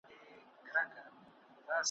دومره د فلک تر شنې مېچني لاندي تللی یم ,